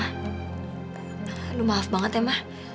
aduh maaf banget ya mah